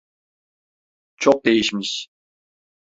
Çok değişmiş.